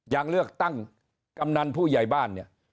อย่างเลือกตั้งกำนันผู้ใหญ่บ้านเนี่ย